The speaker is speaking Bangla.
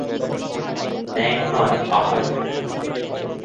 ন্যাং নন পাহাড়।